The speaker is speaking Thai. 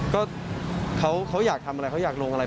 ก็เขาอยากทำอะไรเขาอยากลงอะไร